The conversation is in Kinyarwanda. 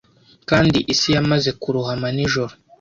kandi isi yamaze kurohama nijoro